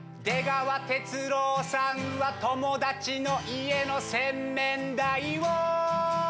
出川哲朗さんは友達の家の洗面台を